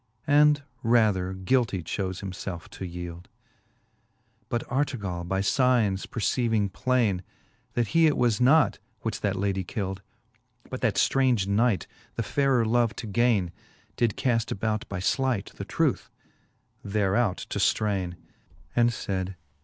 And rather guilty chofe him felfe to yield. " But Artegall by fignes perceiving plaine. That he it was not, which that lady kild,' But that ftraunge knight, the fairer love to gaine. Did caft about by fleight the truth thereout to ftraine ; XXV. And fayd.